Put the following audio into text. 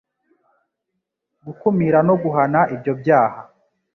gukumira no guhana ibyo byaha.